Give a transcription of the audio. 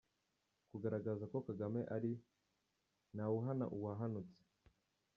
Kugaragaza ko Kagame ari: ntawuhana uwahanutse.